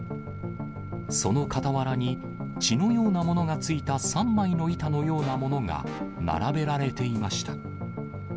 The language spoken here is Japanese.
その傍らに血のようなものがついた３枚の板のようなものが並べられていました。